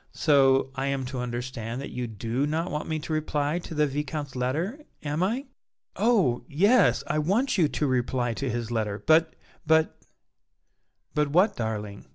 So I am to understand that you do not want me to reply to the Viscount's letter, am I?" "Oh! yes, I want you to reply to his letter, but but " "But what, darling?"